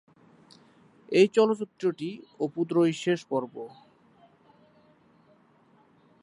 এই চলচ্চিত্রটি অপু ত্রয়ীর শেষ পর্ব।